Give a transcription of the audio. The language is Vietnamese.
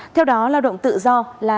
theo đó lao động tự do là